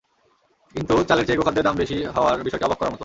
কিন্তু চালের চেয়ে গো-খাদ্যের দাম বেশি হওয়ার বিষয়টি অবাক করার মতো।